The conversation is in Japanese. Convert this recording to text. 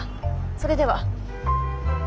それでは。